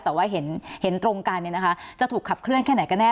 แต่ว่าเห็นตรงกันจะถูกขับเคลื่อนแค่ไหนก็แน